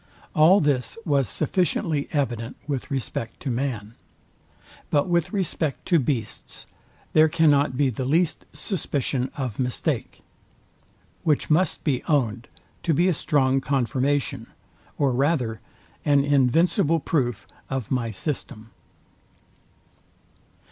All this was sufficiently evident with respect to man. But with respect to beasts there cannot be the least suspicion of mistake; which must be ownd to be a strong confirmation, or rather an invincible proof of my system.